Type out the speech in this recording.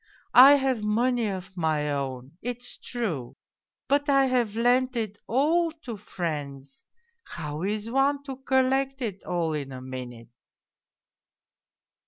I have money of my own, it's true, but I have lent it all to friends how is one to collect it all in a minute